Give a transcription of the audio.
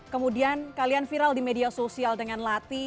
kemudian kalian viral di media sosial dengan lati